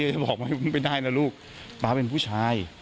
จะบอกว่าไม่ได้นะลูกป๊าเป็นผู้ชาย